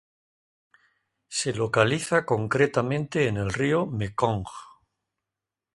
Se localiza concretamente en el río Mekong.